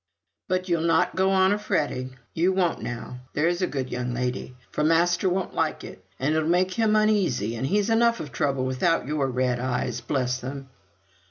"But you'll not go on a fretting you won't now, there's a good young lady for master won't like it, and it'll make him uneasy, and he's enough of trouble without your red eyes, bless them."